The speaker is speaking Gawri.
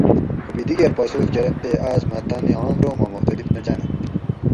خو بھی دیگیر پا سوچ کرنت تے آس مہ تانی عام رو ما مختلف نہ جاۤننت